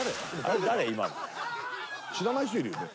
知らない人いるよね